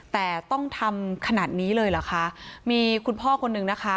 แต่ต้องทำขนาดนี้เลยเหรอคะมีคุณพ่อคนนึงนะคะ